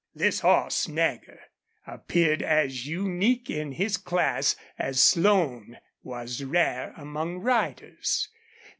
This horse Nagger appeared as unique in his class as Slone was rare among riders.